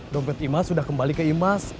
dompet imas sudah kembali ke imas